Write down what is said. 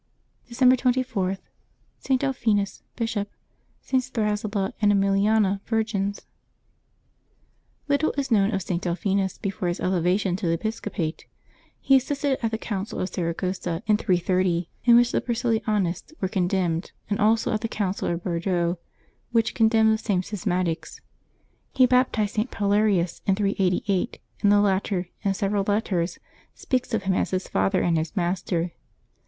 December 24.— ST. DELPHINUS, Bishop.— STS. THRASILLA and EMILIANA, Virgins, HiTTLE is known of St. Delphinus before his elevation to the episcopate. He assisted at the Council of Saragossa, in 330, in which the Priscillianists were con demned, and also at the Council of Bordeaux, which con demned the same schismatics. He baptized St. Paulerius in 388, and the latter, in several letters, speaks of him as his father and his master.